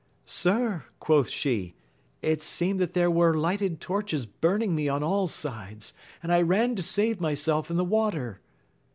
Sir, quoth she, it seemed that there were lighted torches burning me on all sides, and I ran to save myself in the water.